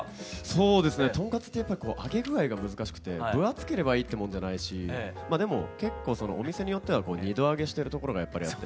そうですねとんかつってやっぱり揚げ具合が難しくて分厚ければいいってもんじゃないしまあでもお店によっては２度揚げしてるところがやっぱりあって。